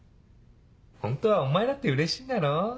ホントはお前だってうれしいんだろ？